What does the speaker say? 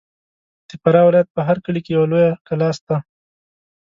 د فراه ولایت په هر کلي کې یوه لویه کلا سته.